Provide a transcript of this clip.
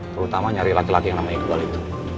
terutama nyari laki laki yang namanya iqbal itu